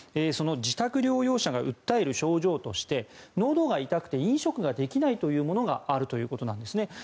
その自宅療養者が訴える症状としてのどが痛くて飲食ができないということがあるというんですね。